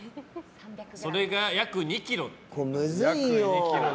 それが約２ｋｇ。